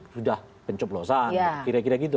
dua puluh tujuh sudah pencoblosan kira kira gitu